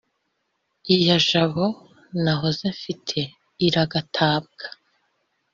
lya jambo nahoze mfite liragatabwa!"